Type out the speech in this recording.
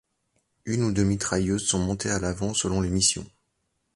Une ou deux mitrailleuses sont montées à l'avant selon les missions.